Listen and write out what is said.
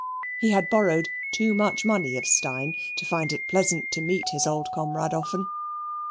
He had borrowed too much money of Steyne to find it pleasant to meet his old comrade often.